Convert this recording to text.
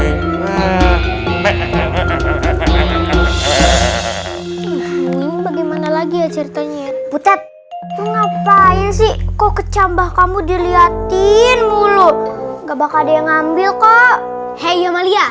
ini bagaimana lagi oh ceritanya butter ngapain sih kok kecambah kamu dilihatin mulu creatures